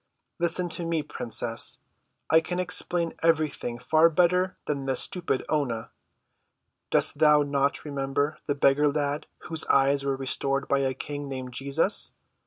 "Listen to me, princess, I can explain everything far better than this stupid Oonah. Dost thou not remember the beggar lad whose eyes were restored by a King named Jesus?